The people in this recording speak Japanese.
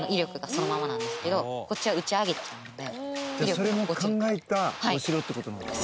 じゃあそれも考えたお城って事なんですね。